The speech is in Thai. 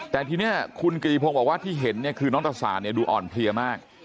แต่ทีนี้คุณกีภงบอกว่าที่เห็นคือน้องตะสานดูอ่อนเพลียมาก